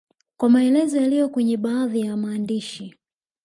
kwa maelezo yaliyo kwenye baadhi ya maandishi